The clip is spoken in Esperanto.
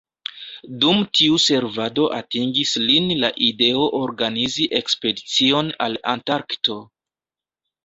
Dum tiu servado atingis lin la ideo organizi ekspedicion al Antarkto.